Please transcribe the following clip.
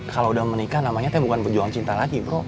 kalau sudah menikah namanya bukan pejuang cinta lagi bro